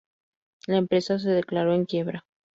La empresa se declaró en quiebra.